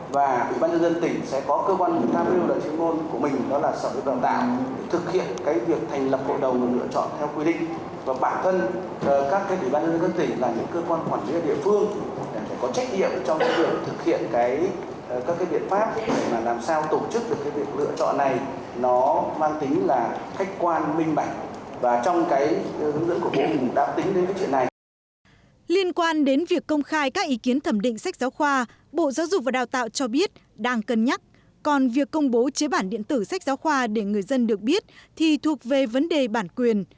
về quy trình lựa chọn sách giáo khoa tại các địa phương bộ giáo dục và đào tạo cho biết đang xây dựng thông tư để hướng dẫn